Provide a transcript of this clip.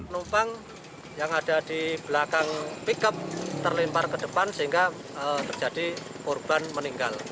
penumpang yang ada di belakang pickup terlempar ke depan sehingga terjadi korban meninggal